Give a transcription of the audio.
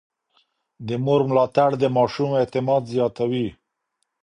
د مور ملاتړ د ماشوم اعتماد زياتوي.